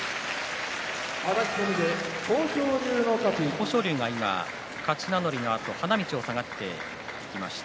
豊昇龍が今、勝ち名乗りのあと花道を下がっていきました。